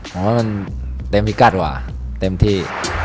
ผมว่ามันเต็มพิกัดกว่าเต็มที่